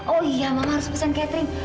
oh iya mama harus pesan catering